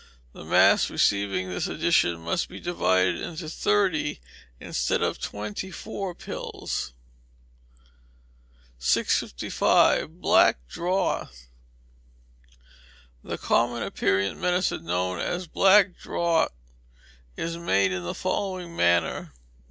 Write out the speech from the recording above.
The mass receiving this addition must be divided into thirty, instead of twenty four pills. 655. Black Draught. The common aperient medicine known as black draught is made in the following manner: i.